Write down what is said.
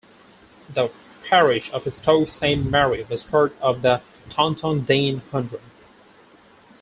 The parish of Stoke Saint Mary was part of the Taunton Deane Hundred.